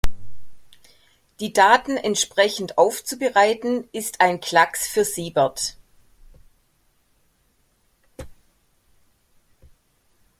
Die Daten entsprechend aufzubereiten, ist ein Klacks für Siebert.